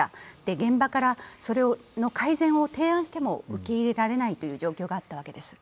現場からそれの改善を提案しても受け入れられない状況があったわけです。